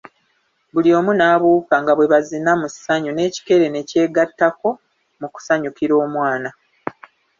Buli omu n'abuuka nga bwe bazina musanyu n'ekikere ne kyegatako mu kusanyukira omwana.